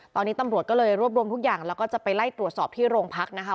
ตอนนี้ตำรวจก็เลยรวบรวมทุกอย่างแล้วก็จะไปไล่ตรวจสอบที่โรงพักนะคะ